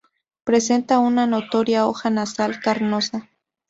Presenta una notoria hoja nasal carnosa.